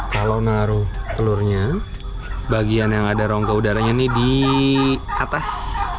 kalau naruh telurnya bagian yang ada rongga udaranya ini di atas